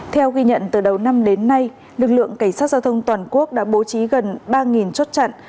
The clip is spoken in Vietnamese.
theo ghi nhận từ đầu năm đến nay lực lượng cảnh sát giao thông toàn quốc đã bố trí gần ba chốt chặn